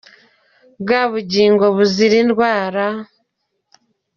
Bwa bugingo buzira indwara